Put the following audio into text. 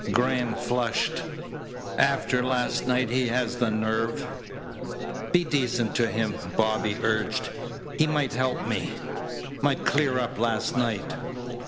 Graham flushed. "After last night he has the nerve " "Be decent to him," Bobby urged. "He might help me might clear up last night."